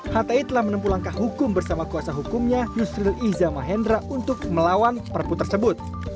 hti telah menempuh langkah hukum bersama kuasa hukumnya yusril iza mahendra untuk melawan perpu tersebut